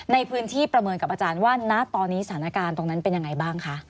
ในพื้นที่ประเมินกับอาจารย์ว่าณตอนนี้สถานการณ์ตรงนั้นเป็นยังไงบ้างคะ